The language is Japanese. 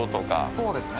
そうですね。